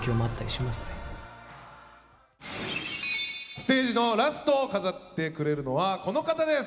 ステージのラストを飾ってくれるのはこの方です！